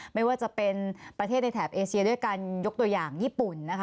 ไม่ว่าจะเป็นประเทศในแถบเอเชียด้วยการยกตัวอย่างญี่ปุ่นนะคะ